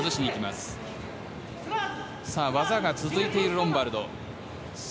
技が続いているロンバルド。